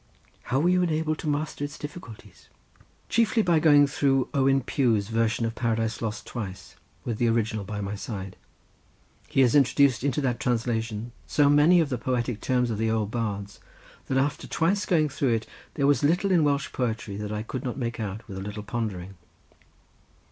"How were you enabled to master its difficulties?" "Chiefly by going through Owen Pugh's version of 'Paradise Lost' twice, with the original by my side. He has introduced into that translation so many of the poetic terms of the old bards that after twice going through it; there was little in Welsh poetry that I could not make out with a little pondering."